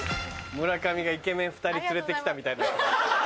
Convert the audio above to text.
村上がイケメン２人連れて来たみたいな。